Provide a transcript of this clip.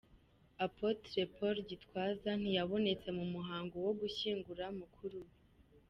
Apôtre Paul Gitwaza ntiyabonetse mu muhango wo gushyingura mukuru we.